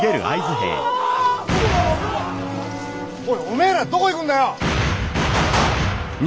おいおめえらどこ行くんだよ！